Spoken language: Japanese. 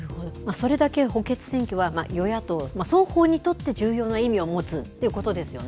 それだけ補欠選挙は与野党双方にとって重要な意味を持つということですよね。